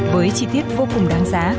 với chi tiết vô cùng đáng giá